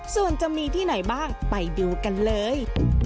ส่วนจะมีที่ไหนบ้างไปดูกันเลย